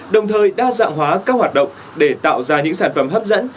đồng thời đa dạng hóa các hoạt động để tạo ra những sản phẩm hấp dẫn